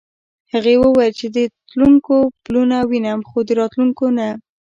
هغې وویل چې د تلونکو پلونه وینم خو د راوتونکو نه.